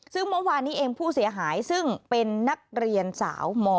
ซึ่งเมื่อวานนี้เองผู้เสียหายซึ่งเป็นนักเรียนสาวม๔